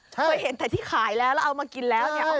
เคยเห็นแต่ที่ขายแล้วแล้วเอามากินแล้วเนี่ย